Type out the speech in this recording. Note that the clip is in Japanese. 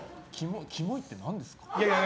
キモいって何ですか？